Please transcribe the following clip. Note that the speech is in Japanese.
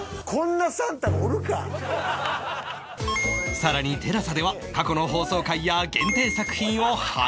さらに ＴＥＬＡＳＡ では過去の放送回や限定作品を配信中